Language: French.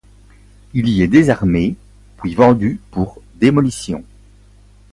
Il y est désarmé puis vendu pour démolition.